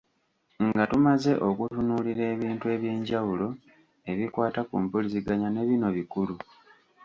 Nga tumaze okutunuulira ebintu eby’enjawulo ebikwata ku mpuliziganya ne bino bikulu.